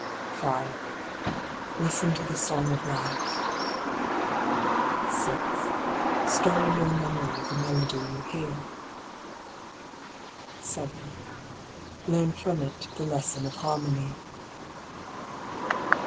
5. Listen to the song of life. 6. Store in your memory the melody you hear. 7. Learn from it the lesson of harmony.